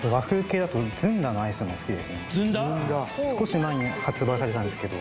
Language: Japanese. はい少し前に発売されたんですけど